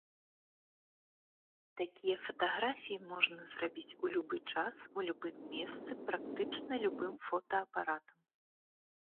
Такія фатаграфіі можна зрабіць у любы час, у любым месцы, практычна любым фотаапаратам.